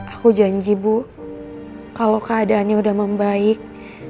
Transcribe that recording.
aku janji bu kalau keadaannya udah membaik